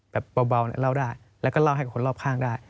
แบบเบาเล่าได้แล้วก็เล่าให้กับคนรอบข้างได้